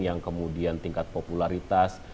yang kemudian tingkat popularitas